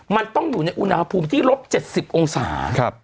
มันต้องอยู่ในอุณหภูมิที่ลบ๗๐องศา